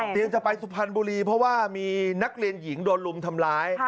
จะไปสุพรรณบุรีเพราะว่ามีนักเรียนหญิงโดนลุมทำร้าย